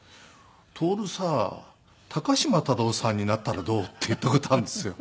「徹さ高島忠夫さんになったらどう？」って言った事あるんですよ。